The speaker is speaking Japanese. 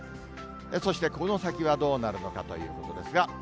そしてこの先はどうなるのかということですが。